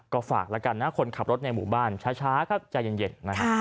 ก็ฝากแล้วกันนะคนขับรถในหมู่บ้านช้าครับใจเย็นนะครับ